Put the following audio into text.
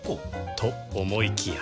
と思いきや